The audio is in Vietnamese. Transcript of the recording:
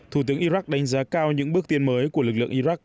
thủ tướng iraq đánh giá cao những bước tiến mới của lực lượng iraq